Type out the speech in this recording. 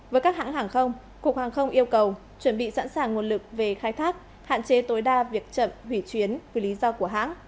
với các hãng hàng không cục hàng không yêu cầu chuẩn bị sẵn sàng nguồn lực về khai thác hạn chế tối đa việc chậm hủy chuyến vì lý do của hãng